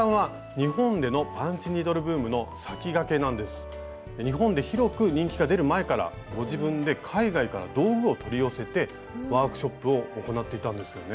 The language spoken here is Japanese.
日本で広く人気が出る前からご自分で海外から道具を取り寄せてワークショップを行っていたんですよね。